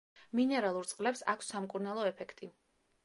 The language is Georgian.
მინერალურ წყლებს აქვს სამკურნალო ეფექტი.